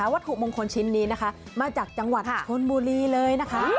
วัตถุมงคลชิ้นนี้นะคะมาจากจังหวัดชนบุรีเลยนะคะ